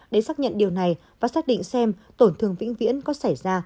để xác nhận điều này và xác định xem tổn thương vĩnh viễn có xảy ra